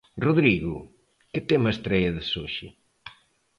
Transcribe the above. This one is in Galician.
Rodrigo, que temas traedes hoxe?